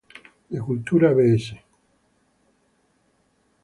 De Cultura, Bs.